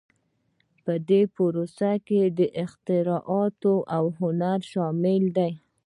په دې پروسه کې اختراعات او هنرونه شامل دي.